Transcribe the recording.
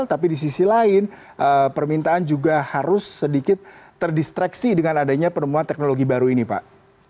tapi di sisi lain permintaan juga harus sedikit terdistraksi dengan adanya penemuan teknologi baru ini pak